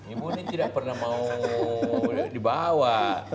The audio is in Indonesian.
ibu ini tidak pernah mau dibawa